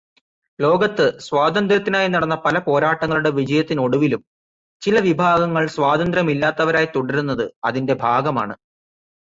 ലോകത്ത് സ്വാതന്ത്ര്യത്തിനായി നടന്ന പല പോരാട്ടങ്ങളുടെ വിജയത്തിനൊടുവിലും ചില വിഭാഗങ്ങൾ സ്വാതന്ത്ര്യമില്ലാത്തവരായി തുടരുന്നത് അതിന്റെ ഭാഗമാണ്.